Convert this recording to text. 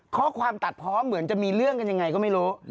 ข้อความตัดพร้อมเหมือนจะมีเรื่องกันยังไงก็ไม่รู้